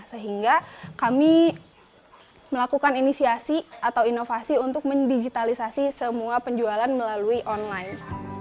sehingga kami melakukan inisiasi atau inovasi untuk mendigitalisasi semua penjualan melalui online